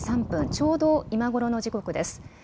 ちょうど今ごろの時刻です。